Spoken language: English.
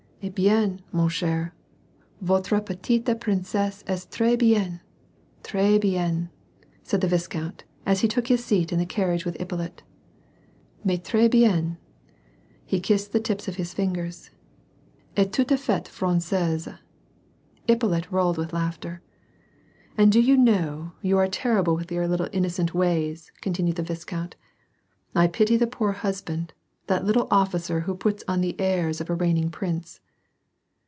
^* Eh bietiy man cher, voire petite prtncesse est tres bien, fres bien," said the viscount, as he took his seat in the carriage with Ippolit, ^^Mais tres bien" He kissed the tips of his fingers. £t tout a fait frangaise," Ippolit roared with laughter. "And do you know, you are terrible with your little inno cent ways," continued the viscount. " I pity the poor hus band, — that little officer who puts on the airs of a reigning prince."